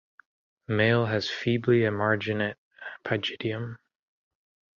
Male has feebly emarginate pygidium.